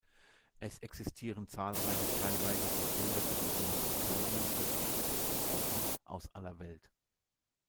Es existieren zahlreiche, teilweise bebilderte Dokumentationen von verschiedensten Orten aus aller Welt.